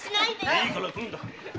いいから来るんだ！